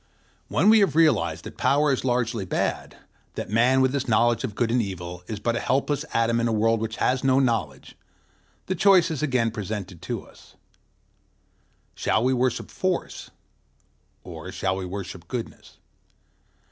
When we have realized that Power is largely bad, that man, with his knowledge of good and evil, is but a helpless atom in a world which has no such knowledge, the choice is again presented to us: Shall we worship Force, or shall we worship Goodness?